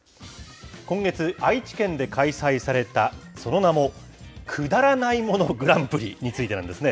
今月、愛知県で開催されたその名も、くだらないものグランプリについてなんですね。